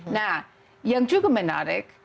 nah yang juga menarik